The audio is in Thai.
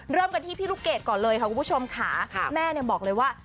เริ่มกันที่พี่ลูกเกดก่อนเลยค่ะคุณผู้ชมค่ะแม่เนี่ยบอกเลยว่า